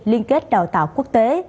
liên kết đào tạo quốc tế